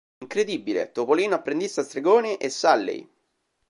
Incredibile, Topolino apprendista stregone e Sulley.